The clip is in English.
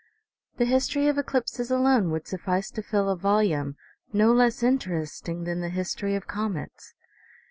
The history of eclipses alone would suffice to fill a vol ume, no less interesting than the history of comets.